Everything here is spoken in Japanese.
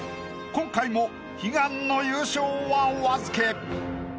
今回も悲願の優勝はお預け。